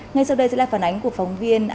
ngay sau đây sẽ là phản ánh của phóng viên